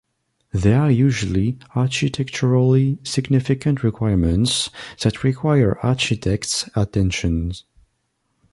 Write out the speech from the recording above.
They are usually Architecturally Significant Requirements that require architects' attention.